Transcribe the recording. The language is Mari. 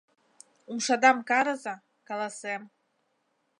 — Умшадам карыза — каласем!